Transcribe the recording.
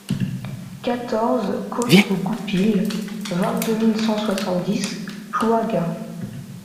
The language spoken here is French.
quatorze côte aux Goupils, vingt-deux mille cent soixante-dix Plouagat